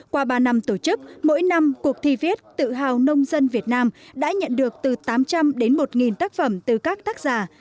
qua ba năm tổ chức mỗi năm cuộc thi viết tự hào nông dân việt nam đã nhận được từ tám trăm linh đến một tác phẩm từ các tác giả